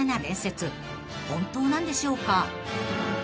［本当なんでしょうか？］